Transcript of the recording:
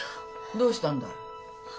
どうしたんだい？